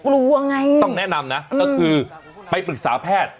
กลัวไงต้องแนะนำนะก็คือไปปรึกษาแพทย์